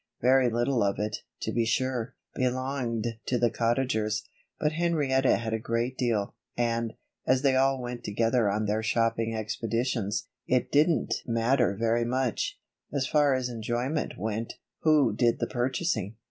Very little of it, to be sure, belonged to the Cottagers; but Henrietta had a great deal, and, as they all went together on their shopping expeditions, it didn't matter very much, as far as enjoyment went, who did the purchasing.